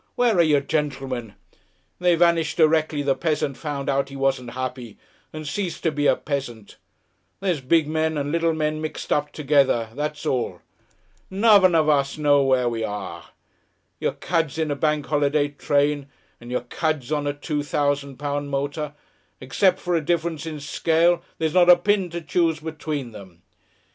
Where are your gentlemen? They vanished directly the peasant found out he wasn't happy and ceased to be a peasant. There's big men and little men mixed up together, that's all. None of us know where we are. Your cads in a bank holiday train and your cads on a two thousand pound motor; except for a difference in scale, there's not a pin to choose between them.